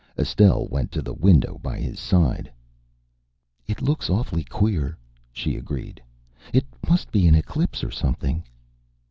Estelle went to the window by his side. "It looks awfully queer," she agreed. "It must be an eclipse or something."